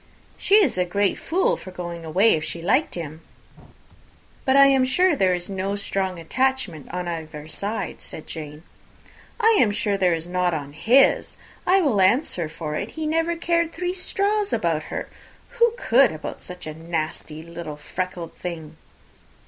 "She is a great fool for going away, if she liked him." "But I hope there is no strong attachment on either side," said Jane. "I am sure there is not on his. I will answer for it, he never cared three straws about her. Who could about such a nasty little freckled thing?"